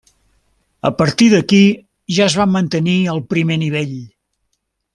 A partir d'aquí, ja es va mantenir al primer nivell.